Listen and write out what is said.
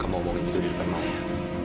kamu ngomongin itu di depan maya